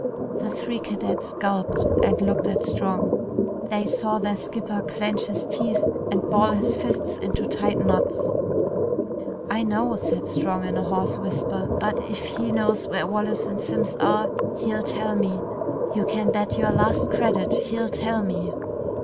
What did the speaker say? The three cadets gulped and looked at Strong. They saw their skipper clench his teeth and ball his fists into tight knots. "I know," said Strong in a hoarse whisper, "but if he knows where Wallace and Simms are, he'll tell me. You can bet your last credit, he'll tell me!"